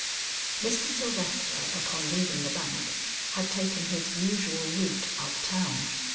Mr. Sylvester upon leaving the bank, had taken his usual route up town.